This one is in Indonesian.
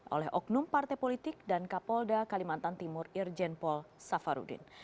oleh oknum partai politik dan kapolda kalimantan timur irjen pol safarudin